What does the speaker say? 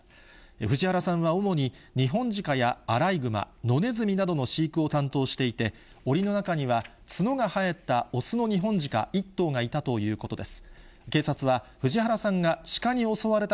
藤原さんは主にニホンジカやアライグマ、野ネズミなどの飼育を担当していて、おりの中には角が生えた雄のニホンジカ１頭がいたということです。